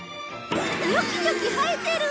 ニョキニョキ生えてる！